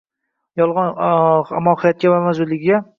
yolg‘on hayot mohiyatiga va mavjudligiga xavf tug‘ila boshlaydi.